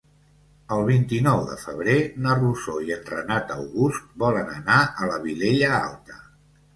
El vint-i-nou de febrer na Rosó i en Renat August volen anar a la Vilella Alta.